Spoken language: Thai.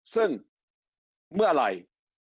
ซึ่งเมื่อไหร่